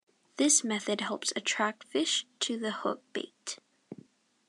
This method helps attract fish to the hook bait.